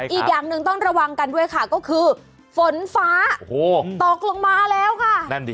อีกอย่างหนึ่งต้องระวังกันด้วยค่ะก็คือฝนฟ้าตกลงมาแล้วค่ะ